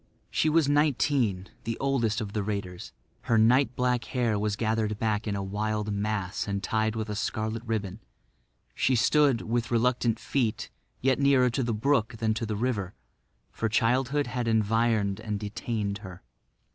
She was nineteen, the oldest of the raiders. Her night black hair was gathered back in a wild mass and tied with a scarlet ribbon. She stood, with reluctant feet, yet nearer the brook than to the river; for childhood had environed and detained her.